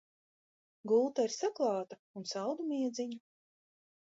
Gulta ir saklāta un saldu miedziņu!